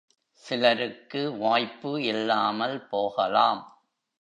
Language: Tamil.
சிலருக்கு வாய்ப்பு இல்லாமல் போகலாம்.